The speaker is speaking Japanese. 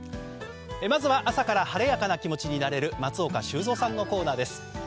まずは朝から晴れやかな気持ちになれる松岡修造さんのコーナーです。